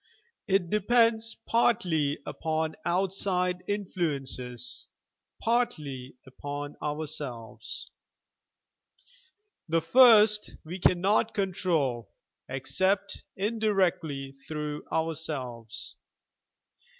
It depends partly upon outside influences, partly upon ourselves. The first we cannot control, except indirectly through ourselves.